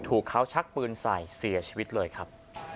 ถูกเขาชักปืนใส่เสียชีวิตเลยครับ